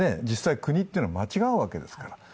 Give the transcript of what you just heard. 実際、国というのは間違うわけですから。